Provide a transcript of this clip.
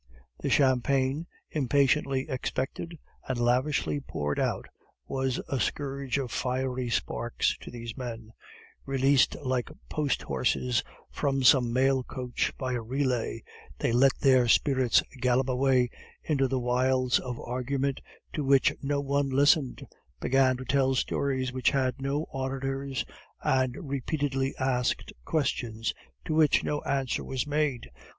The champagne, impatiently expected and lavishly poured out, was a scourge of fiery sparks to these men; released like post horses from some mail coach by a relay; they let their spirits gallop away into the wilds of argument to which no one listened, began to tell stories which had no auditors, and repeatedly asked questions to which no answer was made.